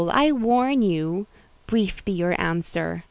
I warn you! Brief be your answer.